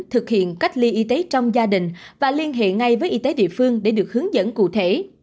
thực hiện cách ly y tế trong gia đình và liên hệ ngay với y tế địa phương để được hướng dẫn cụ thể